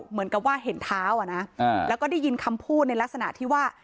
เหมือนกับว่าเห็นเท้าอ่ะนะแล้วก็ได้ยินคำพูดในลักษณะที่ว่า